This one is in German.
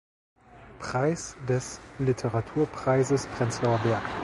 Preis des Literaturpreises Prenzlauer Berg.